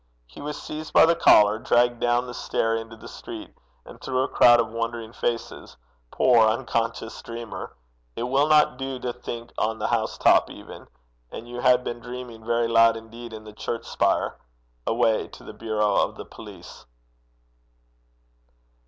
He was seized by the collar, dragged down the stair into the street, and through a crowd of wondering faces poor unconscious dreamer! it will not do to think on the house top even, and you had been dreaming very loud indeed in the church spire away to the bureau of the police.